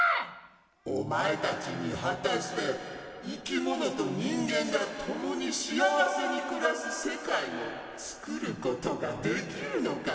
お前たちに果たしていきものと人間が共に幸せに暮らす世界をつくることができるのかな？